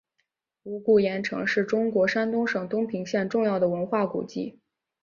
无盐故城是中国山东省东平县重要的文化古迹。